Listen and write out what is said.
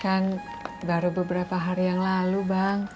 kan baru beberapa hari yang lalu bang